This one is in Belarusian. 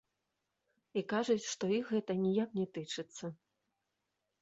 І кажуць, што іх гэта ніяк не тычыцца.